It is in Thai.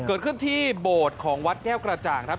เกิดขึ้นที่โบสถ์ของวัดแก้วกระจ่างครับ